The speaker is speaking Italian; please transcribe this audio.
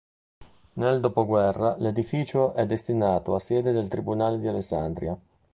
Nel dopoguerra l'edificio è destinato a sede del tribunale di Alessandria.